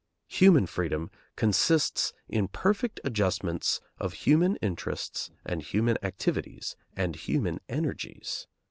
Human freedom consists in perfect adjustments of human interests and human activities and human energies.